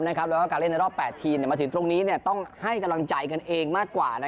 แล้วก็การเล่นในรอบ๘ทีมมาถึงตรงนี้ต้องให้กำลังใจกันเองมากกว่า